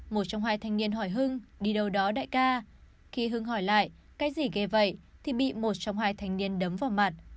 một trong hai thanh niên hỏi hưng đi đâu đó đại ca khi hưng hỏi lại cái gì gây vậy thì bị một trong hai thanh niên đấm vào mặt